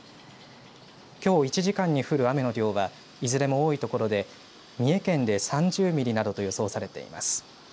きょう１時間に降る雨の量はいずれも多い所で三重県で３０ミリなどと予想されています。